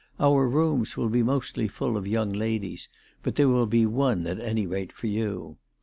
Our rooms will be mostly full of young ladies, but there will be one at any rate for you.